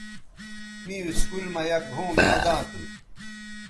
می اسکول مہ یک گھؤں میداں تھو